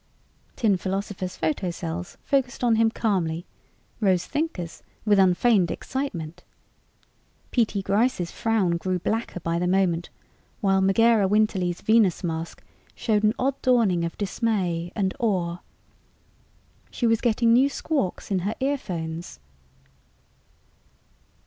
Tin Philosopher's photocells focused on him calmly, Rose Thinker's with unfeigned excitement. P.T. Gryce's frown grew blacker by the moment, while Megera Winterly's Venus mask showed an odd dawning of dismay and awe. She was getting new squawks in her earphones.